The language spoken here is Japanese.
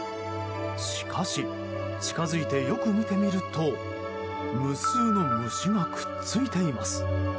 しかし、近づいてよく見てみると無数の虫がくっついています。